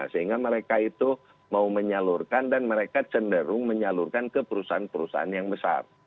sehingga mereka itu mau menyalurkan dan mereka cenderung menyalurkan ke perusahaan perusahaan yang besar